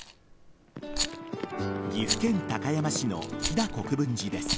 岐阜県高山市の飛騨国分寺です。